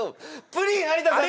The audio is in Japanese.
プリン有田さん